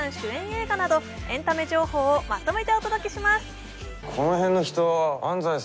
映画など、エンタメ情報をまとめてお届けします。